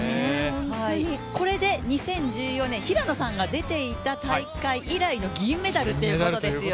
これで２０１４年、平野さんが出ていた大会以来の銀メダルということですよ。